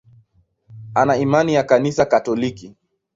Ana imani ya Kanisa Katoliki.